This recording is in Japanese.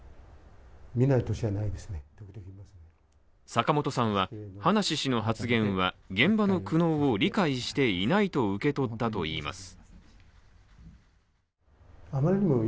坂本さんは、葉梨氏の発言は現場の苦悩を理解していないと受け取ったといいます。